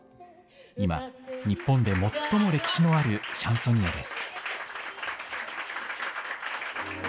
今、日本で最も歴史のあるシャンソニエです。